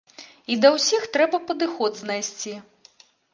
І да ўсіх трэба падыход знайсці.